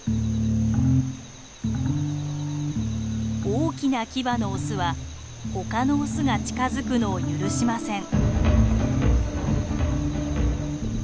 大きなキバのオスは他のオスが近づくのを許しません。